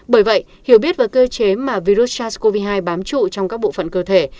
bởi vậy hiểu biết về cơ chế mà virus sars cov hai bám trụ trong các bộ phận cơ thể